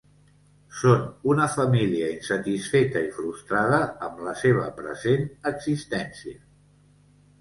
Són una família insatisfeta i frustrada amb la seva present existència.